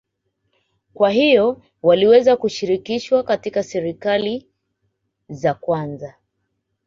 kwa hiyo waliweza kushirikishwa katika serikali za kwanza